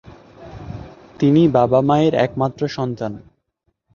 তিনি বাবা-মায়ের একমাত্র সন্তান।